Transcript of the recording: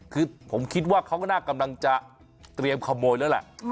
คือผมคิดว่าเขาก็น่ากำลังจะเตรียมขโมยแล้วแหละ